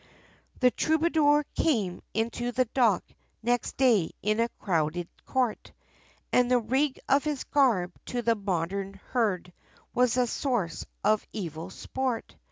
The troubadour, came into the dock Next day, in a crowded court, And the rig of his garb, to the modern herd, Was a source of evil sport.